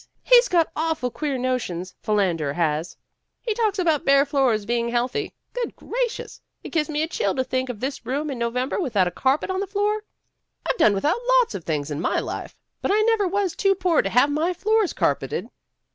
He's got awful queer notions, Phil ander has. He talks about bare floors being healthy. Good gracious! It gives me a chill to think of this room in November without a carpet on the floor. I've done without lots of things in my life, but I never was too poor to have my floors carpeted."